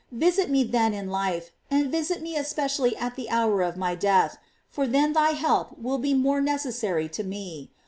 Visit me then in life, and visit me especially at the hour of my death, for then thy help will be more necessary to me.